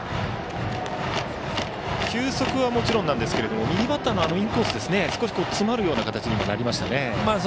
球速はもちろんなんですけど右バッターのインコース詰まるような形になりましたね。